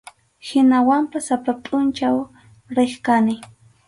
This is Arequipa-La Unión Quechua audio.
Hinawanpas sapa pʼunchaw riq kani.